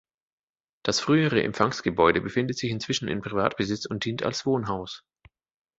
Das frühere Empfangsgebäude befindet sich inzwischen in Privatbesitz und dient als Wohnhaus.